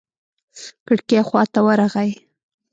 کړکۍ خوا ته ورغى.